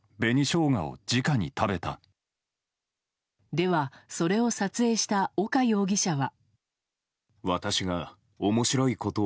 では、それを撮影した岡容疑者は。